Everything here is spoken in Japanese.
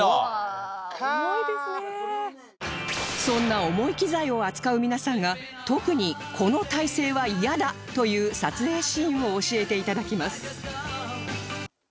そんな重い機材を扱う皆さんが特にこの体勢は嫌だという撮影シーンを教えて頂きます